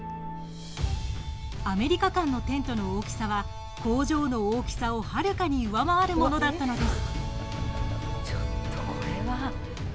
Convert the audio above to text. アメリカ館のテントの大きさは工場の大きさをはるかに上回るものだったのです。